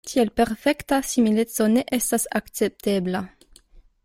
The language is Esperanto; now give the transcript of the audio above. Tiel perfekta simileco ne estas akceptebla.